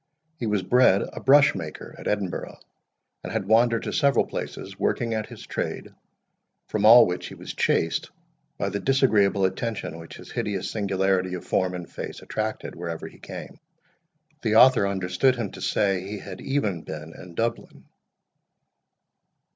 He was bred a brush maker at Edinburgh, and had wandered to several places, working at his trade, from all which he was chased by the disagreeable attention which his hideous singularity of form and face attracted wherever he came. The author understood him to say he had even been in Dublin.